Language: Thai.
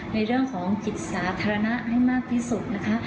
ในเรื่องของจิตสาธารณะให้มากที่สุดนะคะ